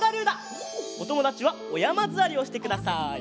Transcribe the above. おともだちはおやまずわりをしてください。